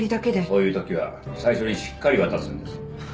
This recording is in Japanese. そういうときは最初にしっかり渡すんです。